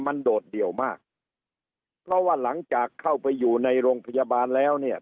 มันโดดเดี่ยวมากเพราะว่าหลังจากเข้าไปอยู่ในโรงพยาบาลแล้วเนี่ย